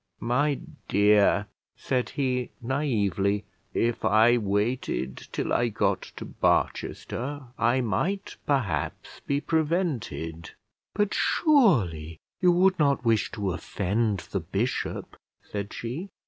"My dear," said he naïvely, "if I waited till I got to Barchester, I might, perhaps, be prevented." "But surely you would not wish to offend the bishop?" said she.